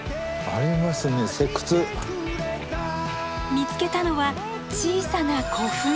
見つけたのは小さな古墳。